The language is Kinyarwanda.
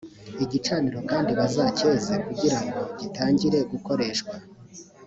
igicaniro kandi bazacyeze kugira ngo gitangire gukoreshwa